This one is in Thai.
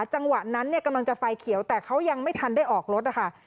จังหวะนั้นเนี่ยกำลังจะไฟเขียวแต่เขายังไม่ทันได้ออกรถนะคะ